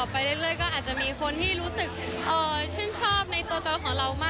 เพื่อนรอติดตาม